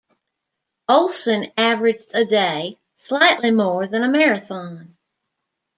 Olsen averaged a day, slightly more than a marathon.